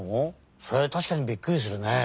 それはたしかにびっくりするね。